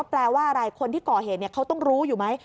แปลว่าอะไรคนที่ก่อเหตุเขาต้องรู้อยู่ไหม